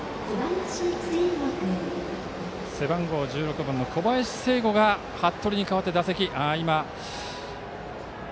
背番号１６番の小林誓悟が服部に代わって打席に向かいます。